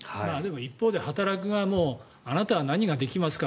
一方で働く側もあなたは何ができますか？